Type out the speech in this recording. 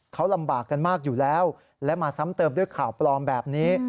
เขาลำบากกันมากอยู่แล้วและมาซ้ำเติมด้วยข่าวปลอมแบบนี้